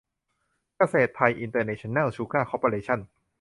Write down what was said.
เกษตรไทย อินเตอร์เนชั่นแนล ชูการ์ คอร์ปอเรชั่น